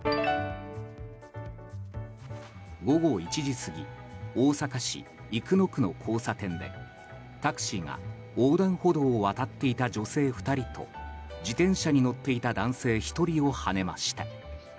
午後１時過ぎ大阪市生野区の交差点でタクシーが横断歩道を渡っていた女性２人と自転車に乗っていた男性１人をはねました。